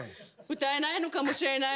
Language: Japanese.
歌えないのかもしれない。